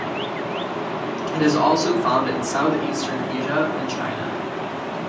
It is also found in south-eastern Asia and China.